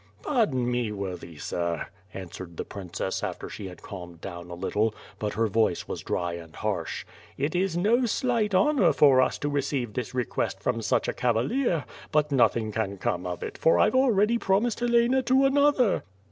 "Pardon me, worthy sir," answered the princess, after she had calmed down a little, but her voice was dry and harsh. "It is no slight honor for us to receive this request from such a cavalier, but nothing can come of it, for IVe already promised Helena to another."